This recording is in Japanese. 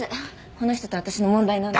この人と私の問題なので。